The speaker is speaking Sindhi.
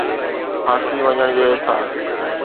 ڦاسي وڃڻ جو احساس